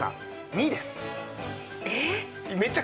２です。